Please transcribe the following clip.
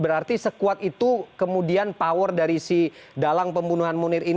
berarti sekuat itu kemudian power dari si dalang pembunuh itu